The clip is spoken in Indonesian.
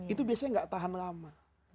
itu biasanya gak tahan lama